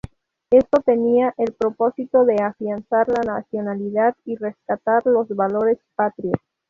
Esto tenía el propósito de afianzar la nacionalidad y rescatar los valores patrios.